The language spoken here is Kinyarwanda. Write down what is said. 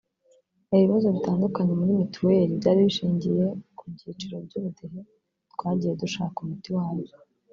Ibibazo bitandukanye muri mitiweli byari bishingiye ku byiciro by’ubudehe twagiye dushaka umuti wa byo